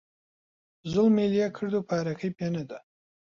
زووڵمی لێکرد و پارەکەی پێ نەدا